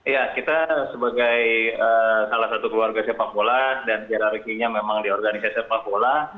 ya kita sebagai salah satu keluarga sepak bola dan hirarkinya memang di organisasi sepak bola